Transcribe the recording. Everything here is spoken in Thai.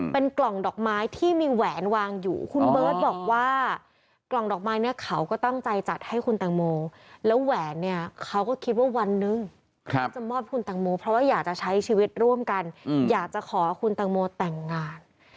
เพราะว่าอยากจะใช้ชีวิตร่วมกันอยากจะขอคุณตังโมแต่งงาน